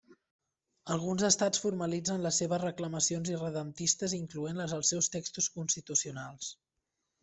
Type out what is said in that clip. Alguns Estats formalitzen les seves reclamacions irredemptistes incloent-les als seus textos constitucionals.